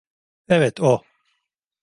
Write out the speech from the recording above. Evet o.